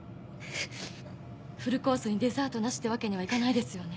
フルコースにデザートなしってわけにはいかないですよね。